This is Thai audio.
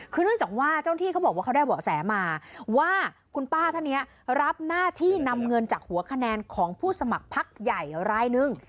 คือเนื่องจากว่าเจ้าหน้าที่เขาบอกว่าเขาได้เบาะแสมาว่าคุณป้าท่านนี้รับหน้าที่นำเงินจากหัวคะแนนของผู้สมัครพักใหญ่รายนึง